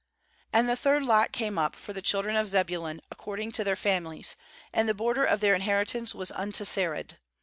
10Aad the third lot came up for the children of Zebulun according to their families; and the border of then* in heritance was unto Sand.